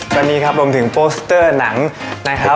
วันนี้ครับรวมถึงโปสเตอร์หนังนะครับ